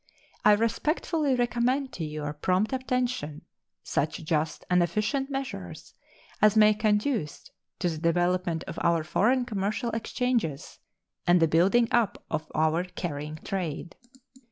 I respectfully recommend to your prompt attention such just and efficient measures as may conduce to the development of our foreign commercial exchanges and the building up of our carrying trade.